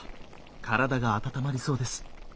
体が温まりそうです。